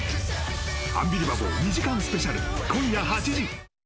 「アンビリバボー」２時間スペシャル、今夜８時。